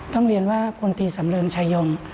ต้องเรียนว่าพลตรีสำเริญชายง